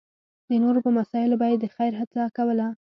د نورو په مسایلو به یې د خېر هڅه کوله.